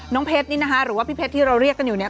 เพชรนี่นะคะหรือว่าพี่เพชรที่เราเรียกกันอยู่เนี่ย